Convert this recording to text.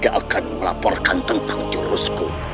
akan melaporkan tentang jurusku